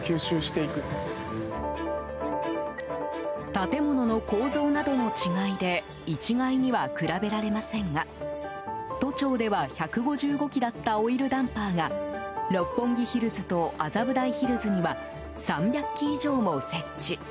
建物の構造などの違いで一概には比べられませんが都庁では１５５基だったオイルダンパーが六本木ヒルズと麻布台ヒルズには３００基以上も設置。